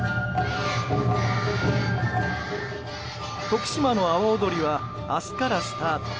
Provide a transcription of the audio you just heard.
徳島の阿波おどりは明日からスタート。